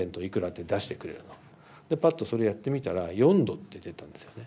でぱっとそれやってみたら「４°」って出たんですよね。